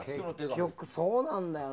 結局、そうなんだよな。